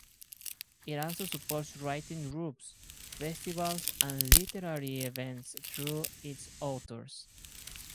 It also supports writing groups, festivals and literary events through its authors.